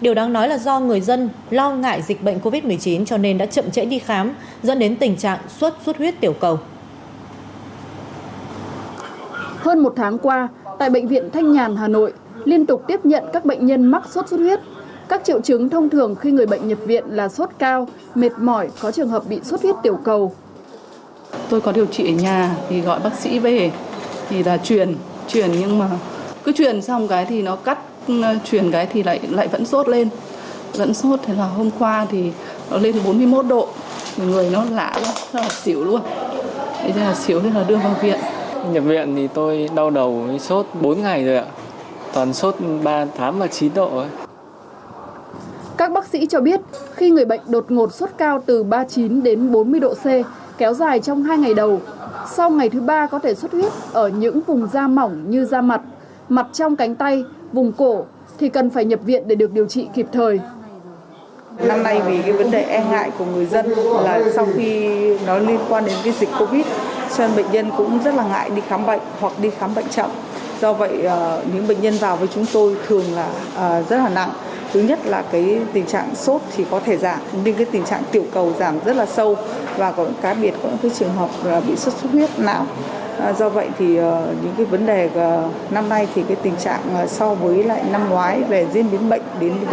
do vậy thì những cái vấn đề năm nay thì cái tình trạng so với lại năm ngoái về diễn biến bệnh đến với chúng tôi là tình trạng bệnh nhân nặng hơn